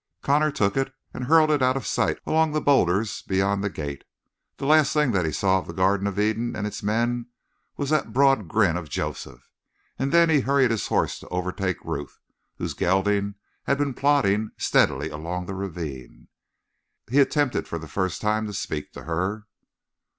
Connor took it and hurled it out of sight along the boulders beyond the gate. The last thing that he saw of the Garden of Eden and its men was that broad grin of Joseph, and then he hurried his horse to overtake Ruth, whose gelding had been plodding steadily along the ravine. He attempted for the first time to speak to her.